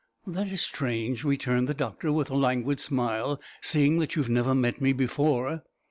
"That is strange," returned the doctor, with a languid smile, "seeing that you have never met me before."